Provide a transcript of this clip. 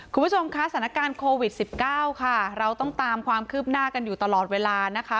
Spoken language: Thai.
คุณผู้ชมคะสถานการณ์โควิด๑๙ค่ะเราต้องตามความคืบหน้ากันอยู่ตลอดเวลานะคะ